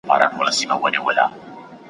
په سینه او ټول وجود کي یې سوې څړیکي ,